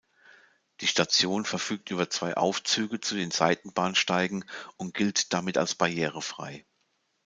Die Station verfügt über zwei Aufzüge zu den Seitenbahnsteigen und gilt damit als barrierefrei.